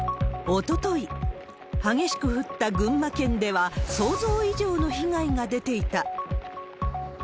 おととい、激しく降った群馬県では、想像以上の被害が出ていた。